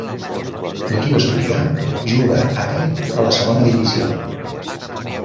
L'equip asturià juga ara a la Segona Divisió.